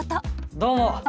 どうも。